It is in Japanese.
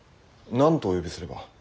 何とお呼びすれば。